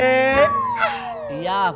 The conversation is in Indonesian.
neng ineke lebih mau milih saya ya